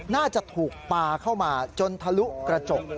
น่าจะถูกปลาเข้ามาจนทะลุกระจก